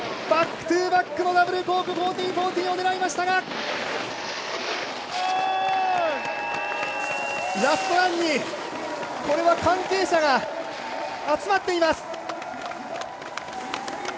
バックトゥバックのダブルコーク１４４０を狙いましたが、ラストランに、これは関係者が集まっています。